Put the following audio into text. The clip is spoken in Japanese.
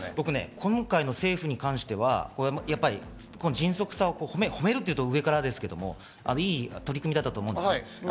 今回の政府に関しては、迅速さを褒めるというと上からですけど、いい取り組みだったと思います。